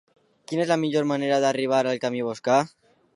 Quina és la millor manera d'arribar al camí Boscà?